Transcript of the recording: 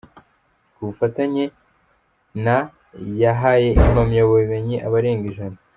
Ku bufatanye na yahaye impamyabumenyi abarenga ijana